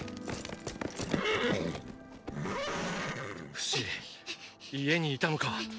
⁉フシ家にいたのか。